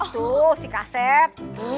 tuh si kaset